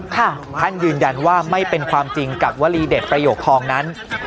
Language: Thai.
ท่านยืนยันว่าไม่เป็นความจริงกับวลีเด็ดประโยคทองนั้น